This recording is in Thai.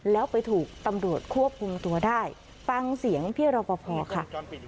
แล้วไปถูกตำรวจควบคุมตัวได้ฟังเสียงพี่รอปภค่ะ